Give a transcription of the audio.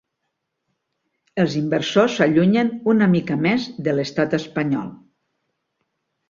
Els inversors s’allunyen una mica més de l’estat espanyol.